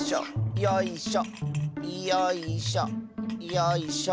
よいしょ。